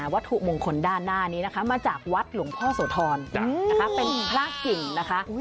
วัตถุมงคลด้านหน้านี้นะคะมาจากวัดหลวงพ่อโสธรเป็นพระกิ่งนะคะ